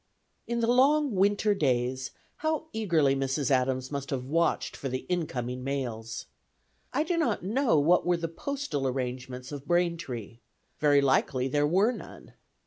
In the long winter days, how eagerly Mrs. Adams must have watched for the incoming mails! I do not know what were the postal arrangements of Braintree; very likely there were none.